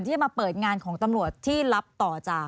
ที่มาเปิดงานของตำรวจที่รับต่อจาก